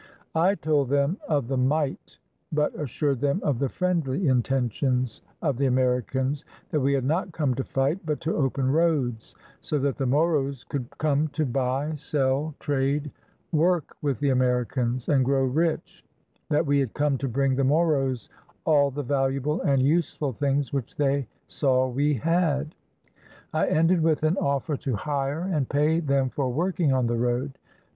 I told them of the might, but assured them of the friendly inten tions, of the Americans; that we had not come to fight, but to open roads, so that the Moros could come to buy, sell, trade, work with the Americans and grow rich; that we had come to bring the Moros all the valuable and useful things which they saw we had. I ended with an offer to hire and pay them for working on the road.